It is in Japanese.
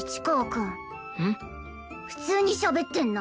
普通にしゃべってんな。